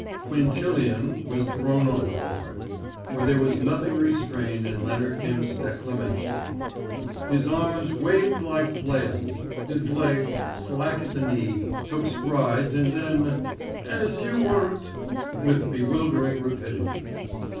Quintilian was thrown overboard: for there was nothing restrained in Leonard Gimp's declamation. His arms waved like flails, his legs, slack at the knee, took strides and then "as you were'd" with bewildering rapidity.